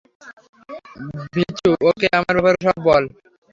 ভিছু, okay আমার ব্যাপারে সব বল।